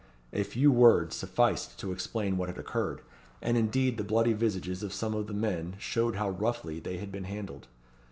A few words sufficed to explain what had occurred, and indeed the bloody visages of some of the men showed how roughly they had been handled.